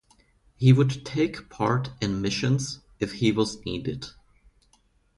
He would take part in missions if he was needed.